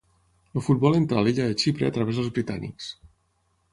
El futbol entrà a l'illa de Xipre a través dels britànics.